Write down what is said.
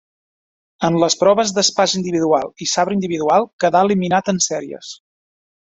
En les proves d'espasa individual i sabre individual quedà eliminat en sèries.